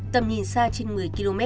tầm nhìn xa trên một mươi km